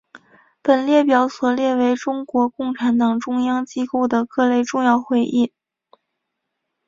本列表所列为中国共产党中央机构的各类重要会议。